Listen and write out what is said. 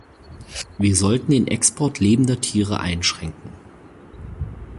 Wir sollten den Export lebender Tiere einschränken.